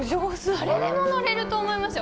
誰でも乗れると思いますよ。